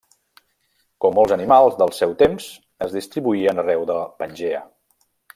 Com molts animals del seu temps, es distribuïen arreu de Pangea.